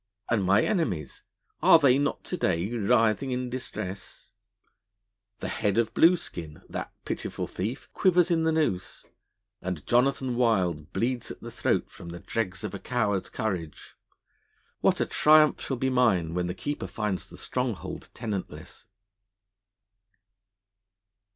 And my enemies are they not to day writhing in distress ? The head of Blueskin, that pitiful thief, quivers in the noose; and Jonathan Wild bleeds at the throat from the dregs of a coward's courage. What a triumph shall be mine when the Keeper finds the stronghold tenantless!'